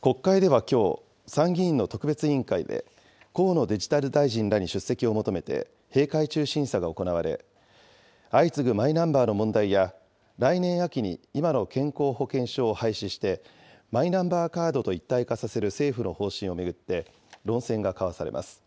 国会ではきょう、参議院の特別委員会で、河野デジタル大臣らに出席を求めて、閉会中審査が行われ、相次ぐマイナンバーの問題や、来年秋に今の健康保険証を廃止してマイナンバーカードと一体化させる政府の方針を巡って、論戦が交わされます。